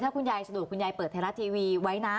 ถ้าคุณยายสะดวกคุณยายเปิดไทยรัฐทีวีไว้นะ